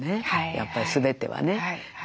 やっぱり全てはね。